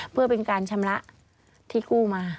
เพื่อเป็นการชำระที่กู้มา